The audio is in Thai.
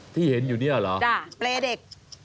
ที่เห็นอยู่นี่หรอปเลเด็ก